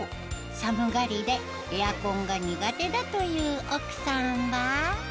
寒がりでエアコンが苦手だという奥さんは？